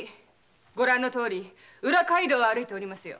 ご覧のとおり裏街道を歩いておりますよ。